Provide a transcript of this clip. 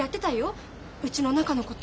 うちの中のこと。